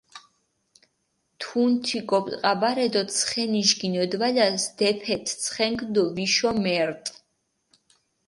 თუნთი გოპტყაბარე დო ცხენიშ გინოდვალას დეფეთჷ ცხენქ დო ვიშ მერტჷ.